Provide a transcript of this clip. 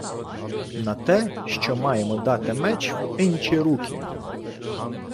— На те, що маємо дати меч в инчі руки.